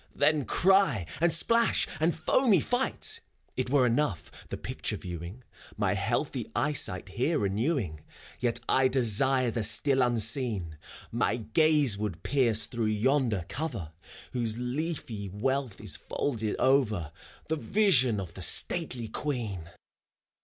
Then cry, and splash, and foamy fight. It were enough, the picture viewing, — My healthy eyesight here renewing, — Yet I desire the still unseen. My gaze would pierce through yonder cover, Whose leafy wealth is folded over The vision of the stately Queen.